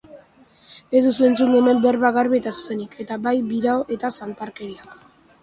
Ez duzu entzungo hemen berba garbi eta zuzenik, eta bai birao eta zantarkeriak.